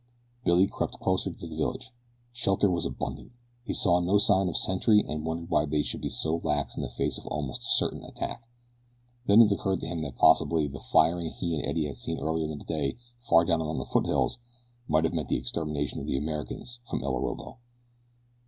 Billy crept closer to the village. Shelter was abundant. He saw no sign of sentry and wondered why they should be so lax in the face of almost certain attack. Then it occurred to him that possibly the firing he and Eddie had heard earlier in the day far down among the foothills might have meant the extermination of the Americans from El Orobo.